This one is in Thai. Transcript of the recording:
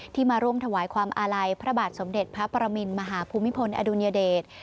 มาร่วมถวายความอาลัยพระบาทสมเด็จพระปรมินมหาภูมิพลอดุญเดช